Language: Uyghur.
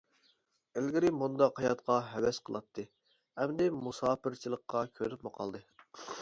ئىلگىرى مۇنداق ھاياتقا ھەۋەس قىلاتتى، ئەمدى مۇساپىرچىلىققا كۆنۈپمۇ قالدى.